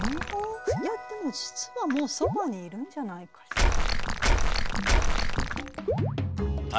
いやでも実はもうそばにいるんじゃないかしら。